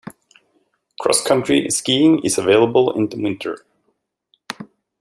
Cross-country skiing is available in the winter.